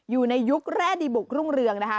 อยู่ในยุคแร่ดีบุกรุ่งเรืองนะคะ